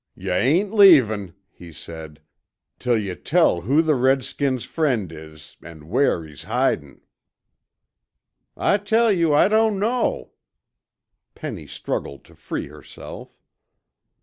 "Yuh ain't leavin'," he said, "till yuh tell who the redskin's friend is, an' where he's hidin'." "I tell you I don't know." Penny struggled to free herself.